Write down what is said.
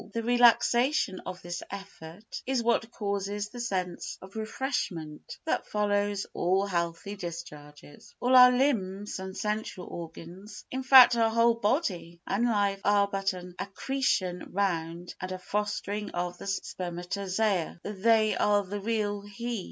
The relaxation of this effort is what causes the sense of refreshment that follows all healthy discharges. All our limbs and sensual organs, in fact our whole body and life, are but an accretion round and a fostering of the spermatozoa. They are the real "He."